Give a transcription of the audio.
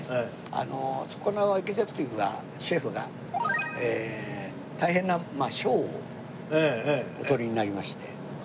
そこのエグゼクティブがシェフが大変な賞をお取りになりまして。